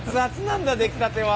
熱々なんだ出来たては。